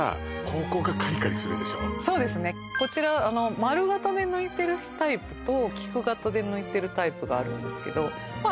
そうですねこちら丸型で抜いてるタイプと菊型で抜いてるタイプがあるんですけどまあ